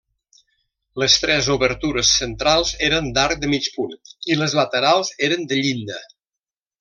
Les tres obertures centrals eren d'arc de mig punt i les laterals eren de llinda.